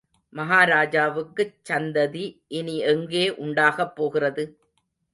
மகாராஜாவுக்குச் சந்ததி இனி எங்கே உண்டாகப் போகிறது?...